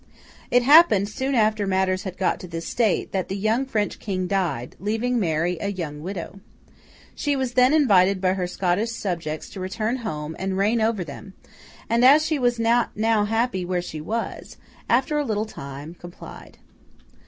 It happened, soon after matters had got to this state, that the young French King died, leaving Mary a young widow. She was then invited by her Scottish subjects to return home and reign over them; and as she was not now happy where she was, she, after a little time, complied.